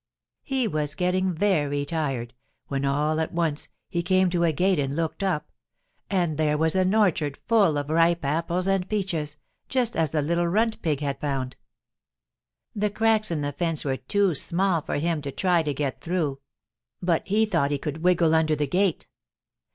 He was getting very tired, when all at once he came to a gate and looked up, and there was an orchard full of ripe apples and peaches, just as the little runt pig had found. The cracks in the fence were too small for him to try to get through, but he thought he could wiggle under the gate.